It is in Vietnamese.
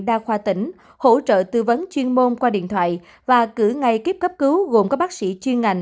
đa khoa tỉnh hỗ trợ tư vấn chuyên môn qua điện thoại và cử ngay kiếp cấp cứu gồm các bác sĩ chuyên ngành